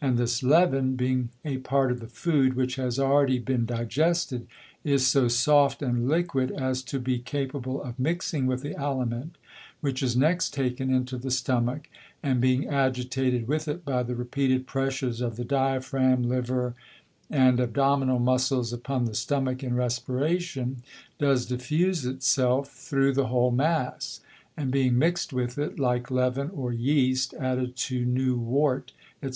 And this Leaven being a part of the Food, which has been already digested, is so soft and liquid as to be capable of mixing with the Aliment, which is next taken into the Stomach; and being agitated with it by the repeated Pressures of the Diaphragm, Liver, and Abdominal Muscles upon the Stomach in Respiration, does diffuse it self through the whole Mass; and being mixed with it, like Leaven, or Yest added to new Wort, _&c.